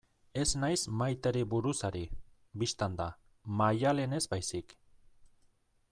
Ez naiz Maiteri buruz ari, bistan da, Maialenez baizik.